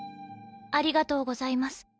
ありがとうございます。